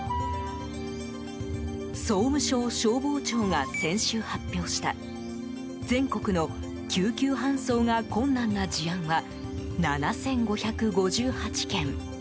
総務省消防庁が先週発表した全国の救急搬送が困難な事案は７５５８件。